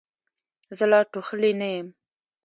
زه لا ټوخلې نه یم.